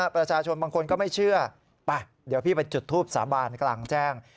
ประชาชนบางคนก็ไม่เชื่อไปเดี๋ยวพี่ไปจุดทูปสาบานกลางแจ้ง